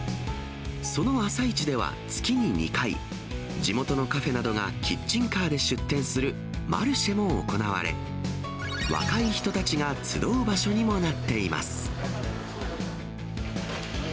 その朝市では月に２回、地元のカフェなどがキッチンカーで出店するマルシェも行われ、若い人たちが集う場所にもなっています。